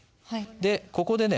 でここでね